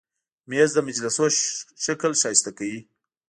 مېز د مجلسو شکل ښایسته کوي.